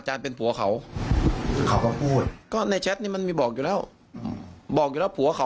แชทปลอมไม่ใช่แชทหนู